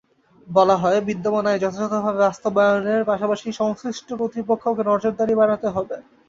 বলা হয়, বিদ্যমান আইন যথাযথ বাস্তবায়নের পাশাপাশি সংশ্লিষ্ট কর্তৃপক্ষকে নজরদারি বাড়াতে হবে।